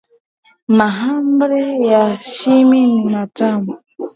Mahamri ya Shumi ni matamu.